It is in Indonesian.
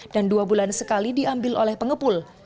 dan dua bulan sekali diambil oleh pengepul